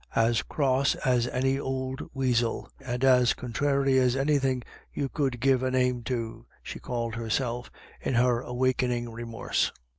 " As cross as an ould weasel, and as conthrary as anythin' you could give a name to," she called herself, in her awakening remorse.